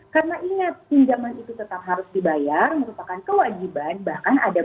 karena ingat pinjaman itu tetap harus dibayar merupakan kewajiban bahkan ada bunganya